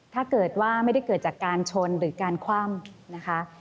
ถ้าเกิดว่าไม่ได้เกิดจากการชนหรือการคว่ำนะคะ